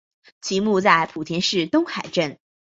其墓在莆田市东海镇。